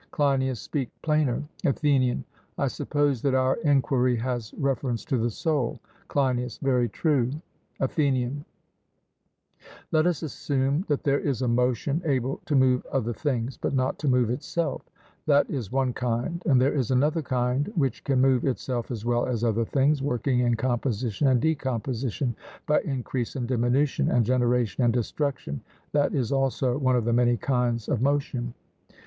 CLEINIAS: Speak plainer. ATHENIAN: I suppose that our enquiry has reference to the soul? CLEINIAS: Very true. ATHENIAN: Let us assume that there is a motion able to move other things, but not to move itself; that is one kind; and there is another kind which can move itself as well as other things, working in composition and decomposition, by increase and diminution and generation and destruction that is also one of the many kinds of motion.